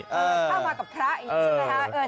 เข้ามากับพระอีกใช่ไหมฮะ